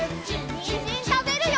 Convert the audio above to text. にんじんたべるよ！